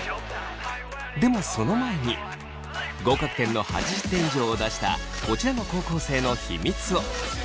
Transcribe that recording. でもその前に合格点の８０点以上を出したこちらの高校生の秘密を。